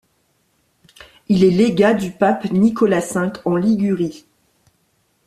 Il est légat du pape Nicolas V en Ligurie.